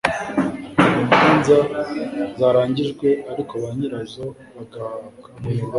ku manza zarangijwe ariko ba nyirazo bagahabwa